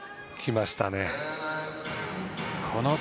来ましたね。